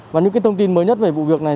và những cái thông tin mới nhất về vụ việc này